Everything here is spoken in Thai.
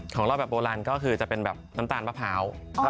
ของเราแบบโบราณก็คือจะเป็นแบบน้ำตาลมะพร้าว